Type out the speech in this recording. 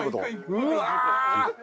うわ！